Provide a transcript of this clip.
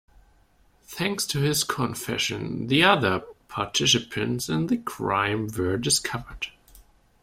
Thanks to his confession, the other participants in the crime were discovered.